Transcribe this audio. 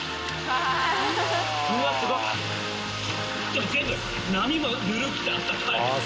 うわすごっ。